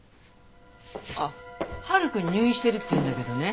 あっ晴くん入院してるって言うんだけどね